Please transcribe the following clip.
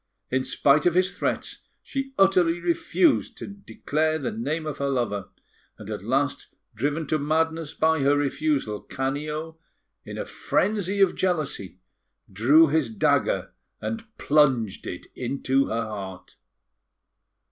In spite of his threats, she utterly refused to declare the name of her lover; and at last, driven to madness by her refusal, Canio, in a frenzy of jealousy, drew his dagger and plunged it into her heart.